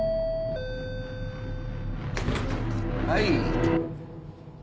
はい。